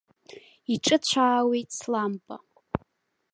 Иҿыцәаауеит слампа.